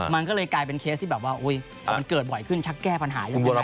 มันก็เลยกลายเป็นเคสที่แบบว่ามันเกิดบ่อยกลัวขึ้นช่างแก้ปัญหาอยู่บรรไบล์